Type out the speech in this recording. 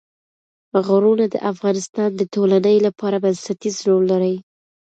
غرونه د افغانستان د ټولنې لپاره بنسټيز رول لري.